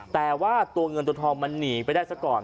แต่ว่าตัวเงินตัวทองมันหนีไปได้ซะก่อน